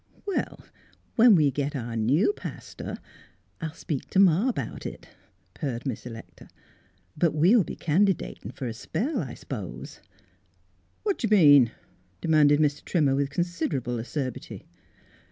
" Well, when we get our new pastor, I'll speak t' ma about it," purred Miss Electa. " But we'll be candidatin' fer a spell, I s'pose." "What do you mean?" demanded Mr. Trimmer, with considerable acerbity.